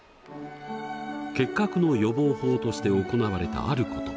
結核の予防法として行われたあること。